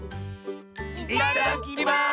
いただきます！